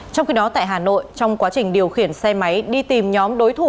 trong khi đó tại hà nội trong quá trình điều khiển xe máy đi tìm nhóm đối thủ